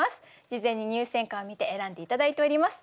事前に入選歌を見て選んで頂いております。